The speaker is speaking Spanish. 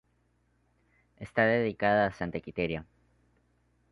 Está dedicada a Santa Quiteria.